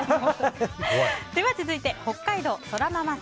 では続いて、北海道の方。